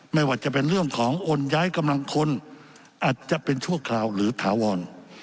ไม่ว่าจะเป็นเรื่องของโอนย้ายกำลังคนอาจจะเป็นชั่วคราวหรือถาวร